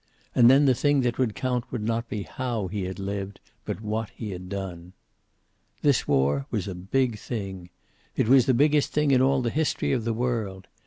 And then the thing that would count would be not how he had lived but what he had done. This war was a big thing. It was the biggest thing in all the history of the world.